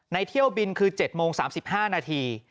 เที่ยวบินคือ๗โมง๓๕นาที